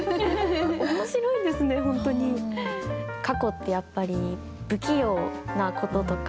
過去ってやっぱり不器用なこととか。